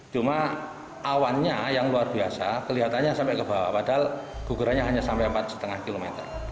cuma awannya yang luar biasa kelihatannya sampai ke bawah padahal gugurannya hanya sampai empat lima km